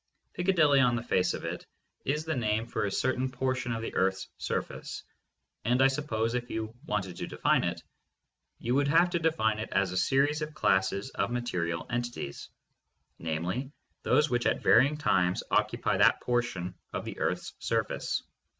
"Piccadilly," on the face of it, is the name for a certain portion of the earth's surface, and I suppose, if you wanted to define it, you would have to define it as a series of classes of material entities, namely those which, at varying times, occupy that portion of the earth's surface.